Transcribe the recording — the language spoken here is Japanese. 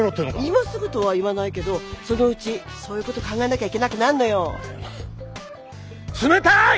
今すぐとは言わないけどそのうちそういうこと考えなきゃいけなくなんのよ。お前冷たい！